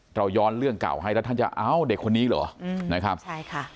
เราย้อนเรื่องเก่าให้แล้วท่านจะเอาเด็กคนนี้เหรออืมนะครับใช่ค่ะ